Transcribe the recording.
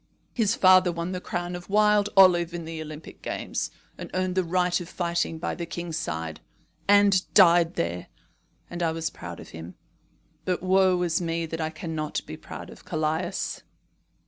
His father won the crown of wild olive in the Olympic games, and earned the right of fighting by the king's side, and died there; and I was proud of him. But woe is me that I cannot be proud of Callias."